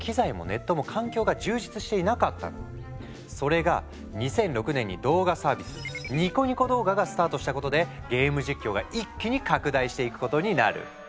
でも当時はそれが２００６年に動画サービスニコニコ動画がスタートしたことでゲーム実況が一気に拡大していくことになる。